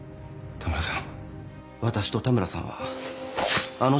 田村さん。